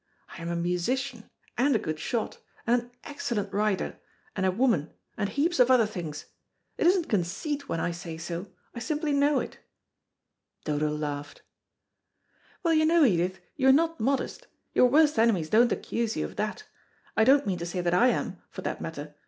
I am a musician, and a good shot, and an excellent rider, and a woman, and heaps of other things. It isn't conceit when I say so I simply know it." Dodo laughed. "Well, you know, Edith, you're not modest. Your worst enemies don't accuse you of that. I don't mean to say that I am, for that matter.